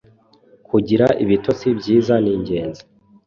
kugira ibitotsi byiza ningenzi.